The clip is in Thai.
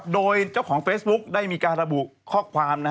โดยเจ้าของเฟซบุ๊กได้มีการระบุข้อความ